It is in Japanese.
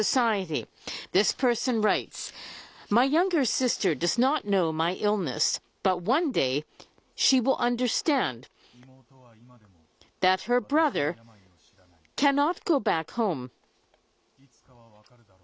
いつかは分かるだろう。